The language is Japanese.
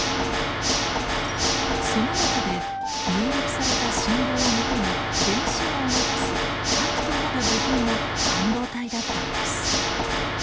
その中で入力された信号をもとに電子音を出す核となる部品が半導体だったのです。